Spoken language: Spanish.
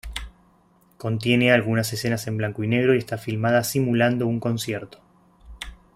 Contiene algunas escenas en blanco y negro y está filmada simulando un concierto.